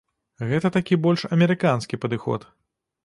Гэта такі больш амерыканскі падыход.